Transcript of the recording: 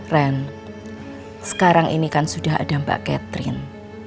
ren sekarang ini kan sudah ada mbak catherine